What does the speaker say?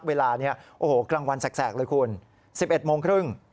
เวลากลางวันแสกเลยคุณ๑๑โมงครึ่ง